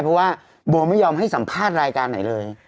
เพราะว่าโบไม่ยอมให้สัมภาษณ์รายการไหนเลย